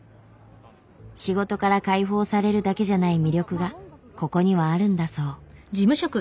仕事から解放されるだけじゃない魅力がここにはあるんだそう。